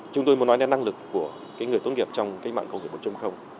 chúng tôi muốn nói đến năng lực của người tốt nghiệp trong mạng công nghệ một trăm linh